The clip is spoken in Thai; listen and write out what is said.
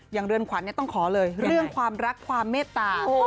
เรือนขวัญต้องขอเลยเรื่องความรักความเมตตา